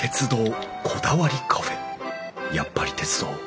やっぱり鉄道！